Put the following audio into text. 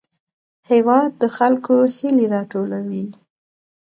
هېواد د خلکو هیلې راټولوي.